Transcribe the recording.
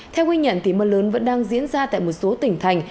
theo ghi nhận mưa lớn vẫn đang diễn ra tại một số tỉnh thành